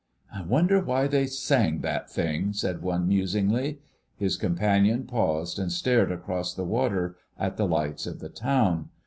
"I wonder why they sang that thing," said one musingly. His companion paused and stared across the water at the lights of the town.